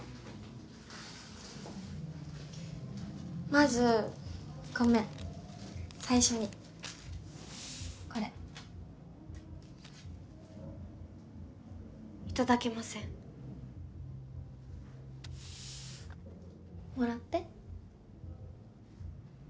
まずごめん最初にこれ頂けませんもらって？